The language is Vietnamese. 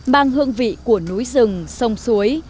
bằng hương vị của núi rừng sông suối